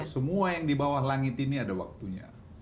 semua yang di bawah langit ini ada waktunya